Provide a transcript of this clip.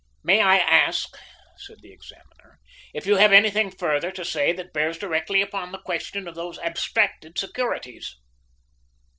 "May I ask," said the examiner, "if you have anything further to say that bears directly upon the question of those abstracted securities?"